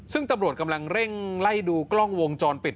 ซึ่งตำรวจกำลังเร่งไล่ดูกล้องวงจรปิด